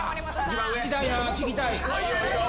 聞きたいな、聞きたい。